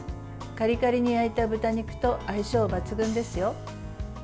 カリカリに焼いた豚肉と相性抜群ですよ。